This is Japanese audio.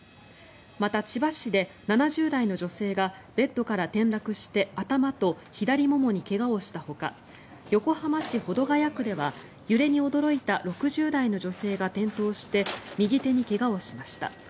また千葉市で７０代の女性がベッドから転落して頭と左ももに怪我をしたほか横浜市保土ケ谷区では揺れに驚いた６０代の女性が転倒して右手に怪我をしました。